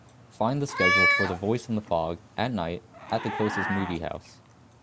Find the schedule for The Voice in the Fog at night at the closest movie house.